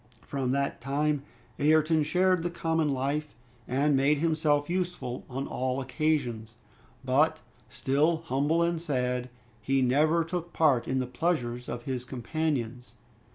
From that time Ayrton shared the common life, and made himself useful on all occasions; but still humble and sad, he never took part in the pleasures of his companions.